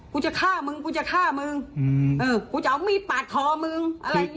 พดีลูกสาวลูกสาวมาช่วย